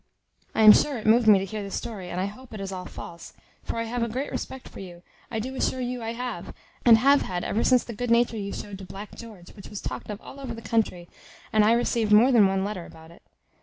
I am sure it moved me to hear the story, and I hope it is all false; for I have a great respect for you, I do assure you I have, and have had ever since the good nature you showed to Black George, which was talked of all over the country, and I received more than one letter about it.